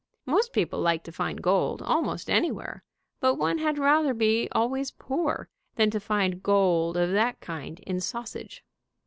Most people like to find gold, almost SHOULD WOMAN BE EATEN? 177 anywhere, but one had rather be always poor than to find gold of that kind in sausage.